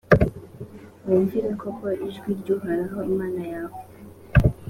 wumvira koko ijwi ry’uhoraho imana yawe?,